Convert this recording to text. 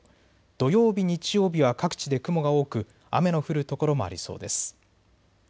土曜日、日曜日は各地で雲が多く雨の降る所もありそうです。